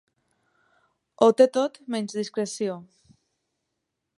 Ho té tot menys discreció.